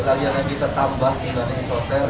lagi yang ditambah dengan isoter